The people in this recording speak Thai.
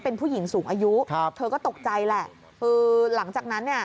เป็นผู้หญิงสูงอายุครับเธอก็ตกใจแหละคือหลังจากนั้นเนี่ย